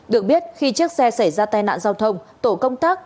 được biết khi chiếc xe xảy ra tai nạn giao thông tổ công tác